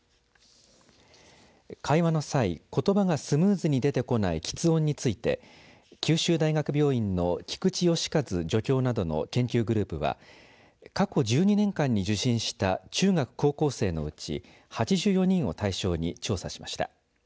会話の際、ことばがスムーズに出てこないきつ音について九州大学病院の菊池良和助教などの研究グループは過去１２年間に受診した中学高校生のうち８４人を対象に調査しました。